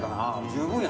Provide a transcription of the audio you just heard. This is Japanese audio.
十分やな。